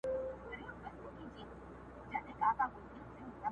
دا به شیطان وي چي د شپې بشر په کاڼو ولي.!